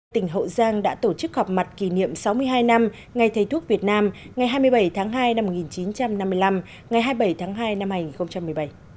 tỉnh hậu giang đã tổ chức họp mặt kỷ niệm sáu mươi hai năm ngày thầy thuốc việt nam ngày hai mươi bảy tháng hai năm một nghìn chín trăm năm mươi năm ngày hai mươi bảy tháng hai năm hai nghìn một mươi bảy